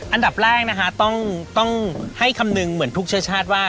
อันดับแรกนะคะต้องให้คำนึงเหมือนทุกเชื้อชาติว่า